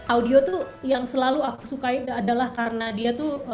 audio tuh yang selalu aku sukai adalah karena dia tuh